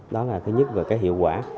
đó là thứ nhất về hiệu quả